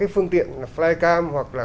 phương tiện flycam hoặc là